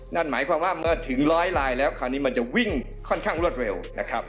นั่นหมายความว่าเมื่อถึงร้อยลายแล้วคราวนี้มันจะวิ่งค่อนข้างรวดเร็วนะครับ